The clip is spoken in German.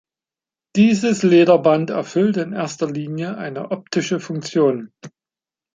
Dieses Lederband erfüllt in erster Linie eine optische Funktion.